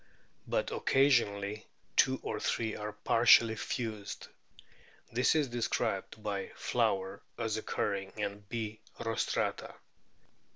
But occasionally two or three are partially fused. This is described by Flower as occurring in B. rostrata.